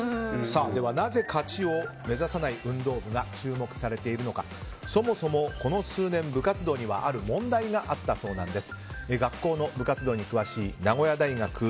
なぜ勝ちを目指さない運動部が注目されているのかそもそも、この数年、部活動にはある問題があったそうなんです。